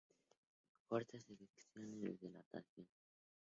Cortas sesiones de natación.